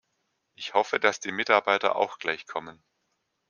Ich hoffe, dass die Mitarbeiter auch gleich kommen.